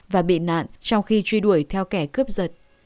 và bị nạn trong khi truy đuổi theo kẻ cướp giật